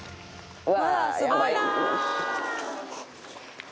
うわ！